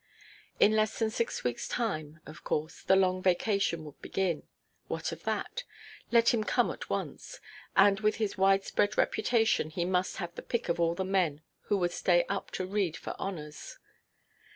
In less than six weeks' time, of course, the long vacation would begin. What of that? Let him come at once, and with his widespread reputation he must have the pick of all the men who would stay up to read for honours.